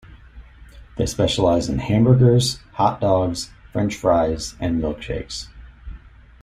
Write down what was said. They specialize in hamburgers, hot dogs, french fries, and milkshakes.